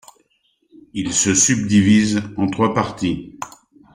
Il se subdivise en trois parties.